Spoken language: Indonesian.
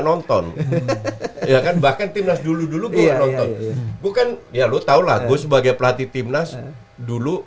nonton ya kan bahkan timnas dulu dulu gue nonton bukan ya lo tahu lagu sebagai pelatih timnas dulu